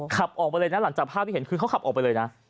ขับออกมาเลยนะหลังจากภาพที่เห็นคือเขาขับออกไปเลยนะ